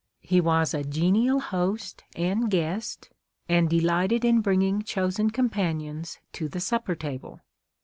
He was a genial host and guest, and delighted in bringing chosen compan ions to the supper table.